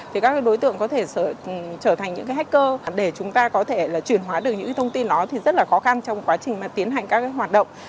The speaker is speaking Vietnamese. thì các đối tượng có thể trở thành những cái hacker để chúng ta có thể là chuyển hóa được những thông tin đó thì rất là khó khăn trong quá trình mà tiến hành các hoạt động